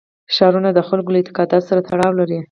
ښارونه د خلکو له اعتقاداتو سره تړاو لري.